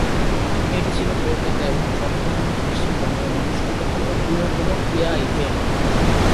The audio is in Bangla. এটি ছিল কলকাতা এবং সম্পূর্ণ পশ্চিমবঙ্গে অনুষ্ঠিত হওয়া বৃহত্তম ক্রীড়া ইভেন্ট।